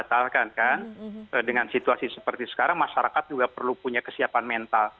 asalkan kan dengan situasi seperti sekarang masyarakat juga perlu punya kesiapan mental